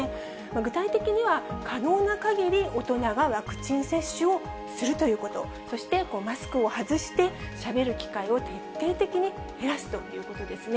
具体的には、可能なかぎり大人がワクチン接種をするということ、そしてマスクを外してしゃべる機会を徹底的に減らすということですね。